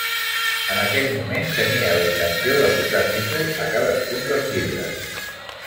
En aquell moment, tenia la intenció de posar títol a cadascun dels llibres.